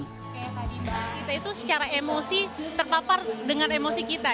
kita itu secara emosi terpapar dengan emosi kita